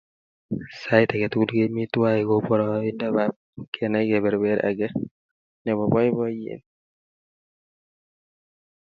Sait ake tukul kemi twai ko poroindap kenai kepeper ake ne po poipoiyet